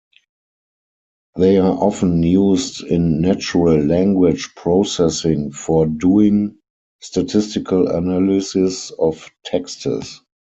They are often used in natural language processing for doing statistical analysis of texts.